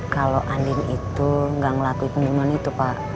kalau andin itu gak ngelakuin pembunuhan itu pa